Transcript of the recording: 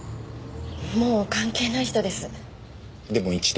もう関係ない人です。